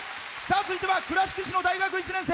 続いては倉敷市の大学１年生。